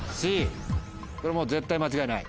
これもう絶対間違いない？